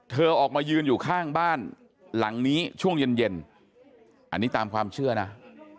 ออกมายืนอยู่ข้างบ้านหลังนี้ช่วงเย็นอันนี้ตามความเชื่อนะ